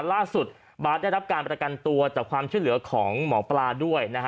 ล่าสุดบาร์ดได้รับการประกันตัวจากความช่วยเหลือของหมอปลาด้วยนะฮะ